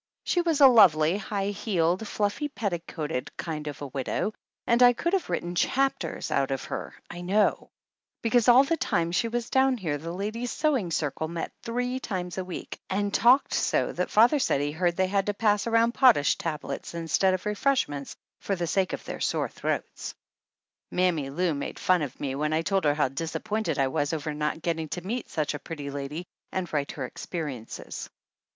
She was a lovely, high heeled, fluffy petticoated kind of a widow and I could have written chap ters out of her I know ; because all the time she was down here the ladies' sewing circle met three times a week and talked so that father said he heard they had to pass around potash tablets instead of refreshments for the sake of their sore throats. Mammy Lou made fun of me when I told her how disappointed I was over not getting to meet such a pretty lady and write her experiences.